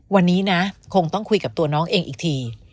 วันนี้นะคงต้องคุยกับตัวน้องเองอีกที